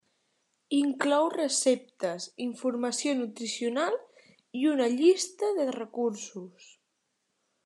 Inclou receptes, informació nutricional i una llista de recursos.